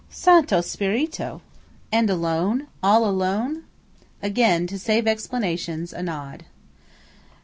"Santo Spirito! And alone?–all alone?" Again, to save explanations, a nod.